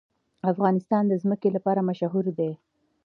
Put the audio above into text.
افغانستان د ځمکه لپاره مشهور دی.